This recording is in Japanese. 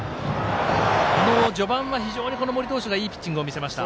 序盤は森投手がいいピッチングを見せました。